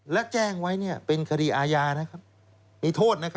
แล้วแจ้งไว้นี่เป็นคดีอาญานะครับมีโทษนะครับ